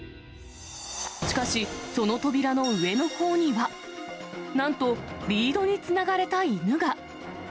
しかし、その扉の上のほうには、なんと、リードにつながれた犬が。